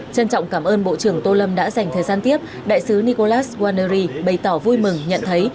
trân trọng cảm ơn bộ trưởng tô lâm đã dành thời gian tiếp đại sứ nicolas guarneri bày tỏ vui mừng nhận thấy